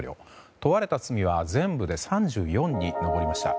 問われた罪は全部で３４に上りました。